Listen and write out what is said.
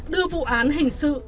đưa vụ án hình sự